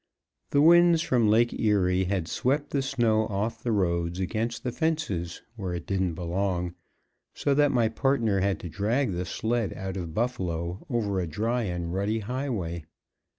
The winds from Lake Erie had swept the snow off the roads against the fences where it didn't belong, so that my partner had to drag the sled out of Buffalo over a dry and rutty highway.